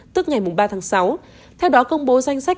tức ngày ba tháng sáu theo đó công bố danh sách